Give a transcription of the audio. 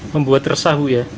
membuat resahu ya